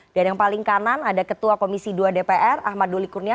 dan yang paling kanan ada ketua komisi dua dpr ahmad doli kurnia